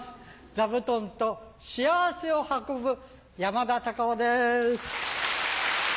座布団と幸せを運ぶ山田隆夫です。